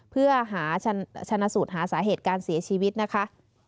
เพื่อชนะสูตรหาสาเหตุการเสียชีวิตนะคะ